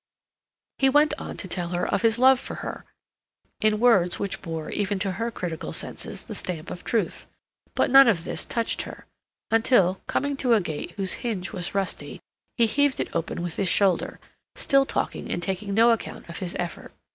He went on now to tell her of his love for her, in words which bore, even to her critical senses, the stamp of truth; but none of this touched her, until, coming to a gate whose hinge was rusty, he heaved it open with his shoulder, still talking and taking no account of his effort.